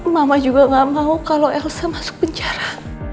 mama juga gak mau kalau elsa masuk penjara